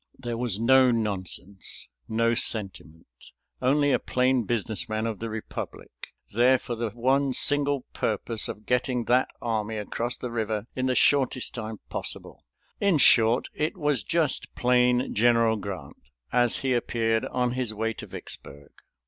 There was no nonsense, no sentiment. Only a plain business man of the republic there for the one single purpose of getting that army across the river in the shortest time possible. In short, it was just plain General Grant, as he appeared on his way to Vicksburg.